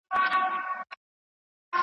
د محصلینو لیلیه په ناڅاپي ډول نه انتقالیږي.